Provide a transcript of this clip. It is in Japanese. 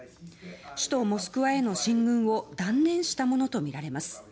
首都モスクワへの進軍を断念したものとみられます。